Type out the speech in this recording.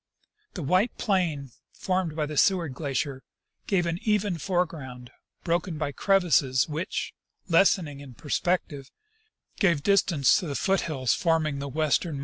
The white plain formed by the Seward glacier gave an even foreground, broken by crevasses which, lessening in per spective, gave distance to the foot hills forming the western mar 136 I.